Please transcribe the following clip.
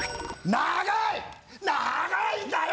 長いんだよ！